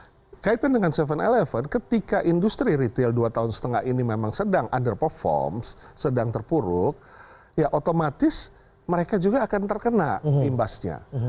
nah kaitan dengan tujuh sebelas ketika industri retail dua tahun setengah ini memang sedang under perform sedang terpuruk ya otomatis mereka juga akan terkena imbasnya